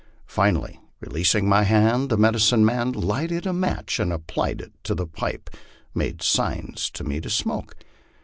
Finally, re leasing my hand, the medicine man lighted a match, and apptying it to the pipe made signs to me to smoke.